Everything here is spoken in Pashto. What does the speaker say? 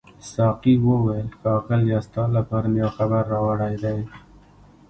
ساقي وویل ښاغلیه ستا لپاره مې یو خبر راوړی دی.